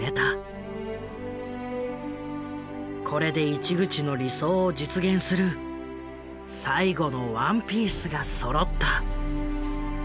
これで市口の理想を実現する最後の１ピースがそろった。